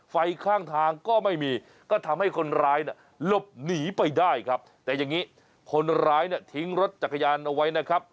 ไฟข้างทางก็ไม่มีก็ทำให้คนร้ายเนี่ยหลบหนีไปได้ครับแต่อย่างนี้คนร้ายเนี่ยทิ้งรถจักรยานเอาไว้นะครับ